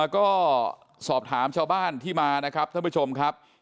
ก็สอบถามชาวบ้านที่มานะครับท่านผู้ชมครับ